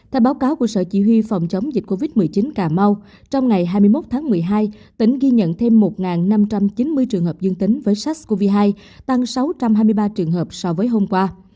theo báo cáo của sở chỉ huy phòng chống dịch covid một mươi chín cà mau trong ngày hai mươi một tháng một mươi hai tỉnh ghi nhận thêm một năm trăm chín mươi trường hợp dương tính với sars cov hai tăng sáu trăm hai mươi ba trường hợp so với hôm qua